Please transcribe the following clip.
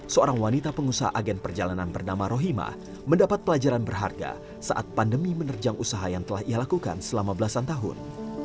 seorang wanita pengusaha agen perjalanan bernama rohima mendapat pelajaran berharga saat pandemi menerjang usaha yang telah ia lakukan selama belasan tahun